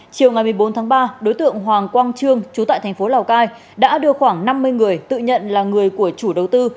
chiều ngày một mươi bốn tháng ba đối tượng hoàng quang trương chú tại thành phố lào cai đã đưa khoảng năm mươi người tự nhận là người của chủ đầu tư